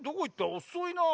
おそいなぁ。